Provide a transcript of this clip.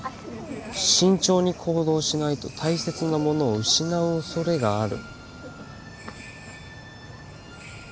「慎重に行動しないと大切なものを失うおそれがある」